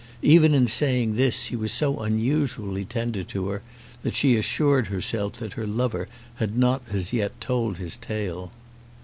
Even in saying this he was so unusually tender to her that she assured herself that her lover had not as yet told his tale.